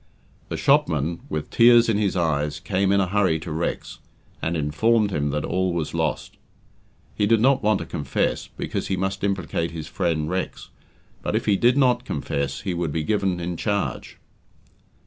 The shopman, with tears in his eyes, came in a hurry to Rex, and informed him that all was lost. He did not want to confess, because he must implicate his friend Rex, but if he did not confess he would be given in charge.